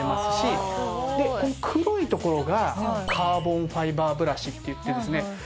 でこの黒い所がカーボンファイバーブラシっていってですね